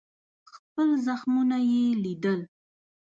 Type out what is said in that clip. خپل زخمونه یې لیدل.